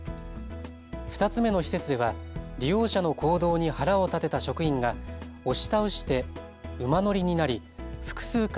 ２つ目の施設では利用者の行動に腹を立てた職員が押し倒して馬乗りになり複数回